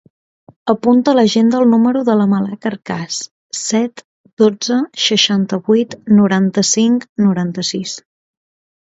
Apunta a l'agenda el número de la Malak Arcas: set, dotze, seixanta-vuit, noranta-cinc, noranta-sis.